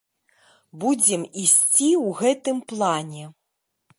Будзем ісці ў гэтым плане.